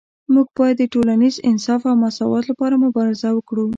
موږ باید د ټولنیز انصاف او مساوات لپاره مبارزه وکړو